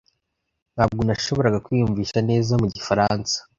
Ntabwo nashoboraga kwiyumvisha neza mu gifaransa.